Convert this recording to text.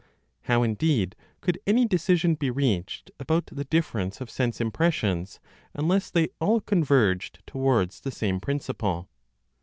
How, indeed, could any decision be reached about the difference of sense impressions unless they all converged toward the same principle?